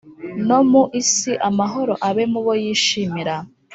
No mu isi amahoro abe mubo yishimira.”